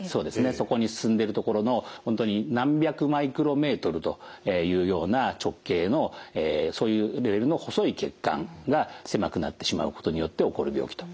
そこに進んでる所の本当に何百マイクロメートルというような直径のそういうレベルの細い血管が狭くなってしまうことによって起こる病気というふうにいわれています。